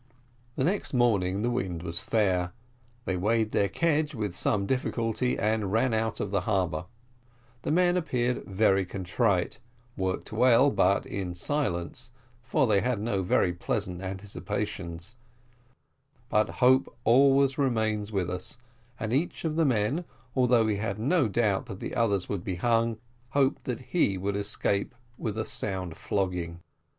The next morning the wind was fair, they weighed their kedge with some difficulty, and ran out of the harbour: the men appeared very contrite, worked well, but in silence, for they had no very pleasant anticipations; but hope always remains with us; and each of the men, although he had no doubt but that the others would be hung, hoped that he would escape with a sound flogging.